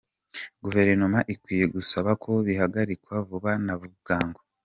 Guverinoma ikwiye gusaba ko bihagarikwa vuba na bwangu.